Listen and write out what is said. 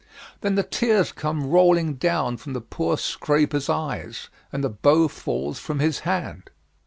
Then the tears come rolling down from the poor scraper's eyes and the bow falls from his hand."